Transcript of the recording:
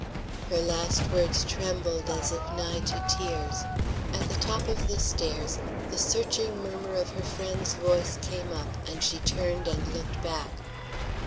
Her last words trembled as if nigh to tears. At the top of the stairs the searching murmur of her friend's voice came up, and she turned and looked back.